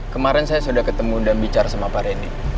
kemarin saya sudah ketemu dan bicara sama pak rendy